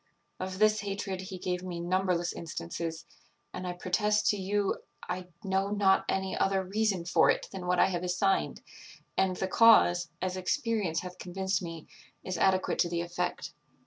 Of this hatred he gave me numberless instances, and I protest to you I know not any other reason for it than what I have assigned; and the cause, as experience hath convinced me, is adequate to the effect.